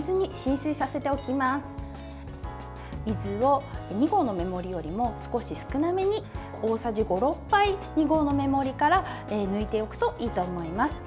水を２合の目盛りよりも少し少なめに、大さじ５６杯２合の目盛りから抜いておくといいと思います。